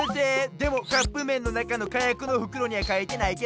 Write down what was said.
でもカップめんのなかのかやくのふくろにはかいてないけど？